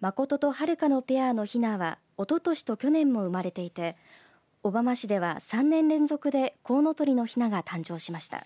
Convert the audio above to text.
誠と、はるかのペアのひなはおととしと去年も生まれていて小浜市では３年連続でコウノトリのひなが誕生しました。